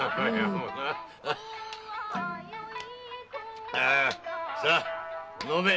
〔さあ飲め。